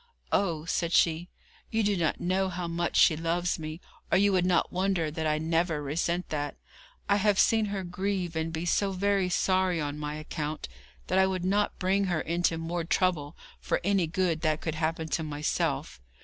'Oh,' said she, 'you do not know how much she loves me, or you would not wonder that I never resent that. I have seen her grieve and be so very sorry on my account that I would not bring her into more trouble for any good that could happen to myself.